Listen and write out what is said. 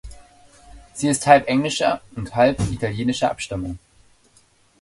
Sie ist halb englischer und halb italienischer Abstammung.